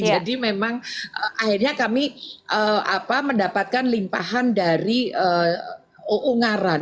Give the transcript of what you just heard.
jadi memang akhirnya kami mendapatkan limpahan dari ungaran